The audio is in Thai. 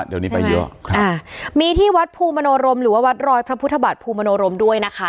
เดี๋ยวนี้ไปเยอะครับอ่ามีที่วัดภูมิมโนรมหรือว่าวัดรอยพระพุทธบาทภูมิมโนรมด้วยนะคะ